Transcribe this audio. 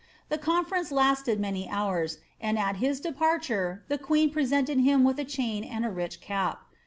The conference lasted many hours, and at his departure the queen presented him with a chain and a rich cap.'